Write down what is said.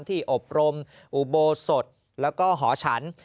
อบรมอุโบสถแล้วก็หอฉัน